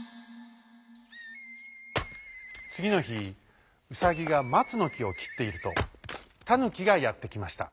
つぎのひウサギがまつのきをきっているとタヌキがやってきました。